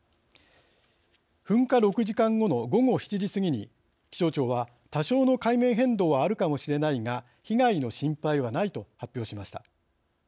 噴火６時間後の午後７時過ぎに気象庁は多少の海面変動はあるかもしれないが被害の心配はないと発表しました。